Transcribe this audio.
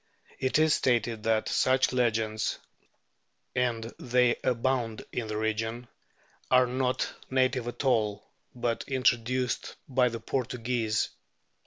It is stated that such legends, and they abound in the region, are not native at all, but introduced by the Portuguese.